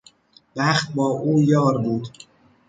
بخت با او یار بود.